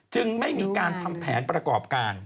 ไม่มีการทำแผนประกอบการ